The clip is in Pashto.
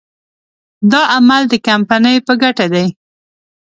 دا عمل د کمپنۍ په ګټه دی.